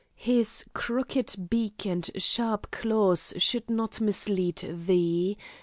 His crooked beak and sharp claws should not mislead thee.